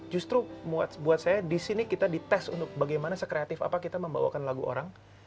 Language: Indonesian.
justru buat saya disini kita dites untuk bagaimana sekreatif apa kita membawakan lagu orang